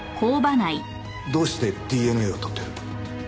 どうしてＤＮＡをとってる？